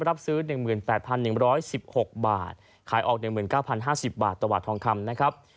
รับซื้อหนึ่งหมื่นแปดพันหนึ่งร้อยสิบหกบาทขายออกหนึ่งหมื่นเก้าพันห้าสิบบาทต่อบาททองคำนะครับ